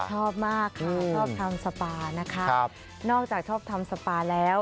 ชอบมากค่ะชอบทำสปานะคะนอกจากชอบทำสปาแล้ว